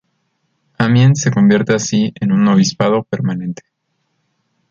Amiens se convierte así en un obispado permanente.